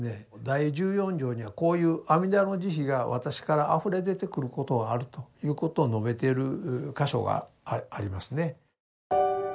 第十四条にはこういう阿弥陀の慈悲が私からあふれ出てくることがあるということを述べている箇所がありますね。